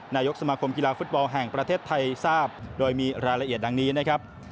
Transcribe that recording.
นายกสมาคมกีฬาฟุตบอลแห่งประเทศไทยทราบโดยมีรายละเอียดดังนี้นะครับ